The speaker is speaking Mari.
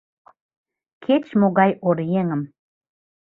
Кеч-могай оръеҥым